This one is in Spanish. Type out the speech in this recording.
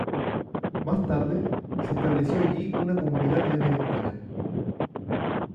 Más tarde, se estableció allí una comunidad benedictina.